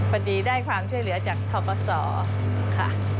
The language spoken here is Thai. พอดีได้ความช่วยเหลือจากทปศค่ะ